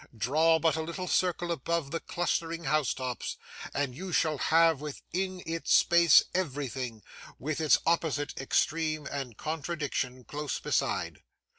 Draw but a little circle above the clustering housetops, and you shall have within its space everything, with its opposite extreme and contradiction, close beside.